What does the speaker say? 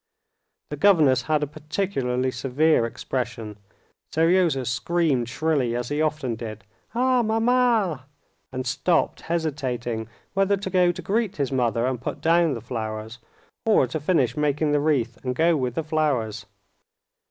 The governess had a particularly severe expression. Seryozha screamed shrilly, as he often did, "Ah, mamma!" and stopped, hesitating whether to go to greet his mother and put down the flowers, or to finish making the wreath and go with the flowers.